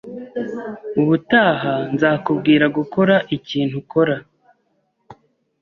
Ubutaha nzakubwira gukora ikintu, kora.